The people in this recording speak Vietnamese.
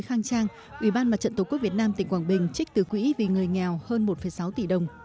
khang trang ủy ban mặt trận tổ quốc việt nam tỉnh quảng bình trích từ quỹ vì người nghèo hơn một sáu tỷ đồng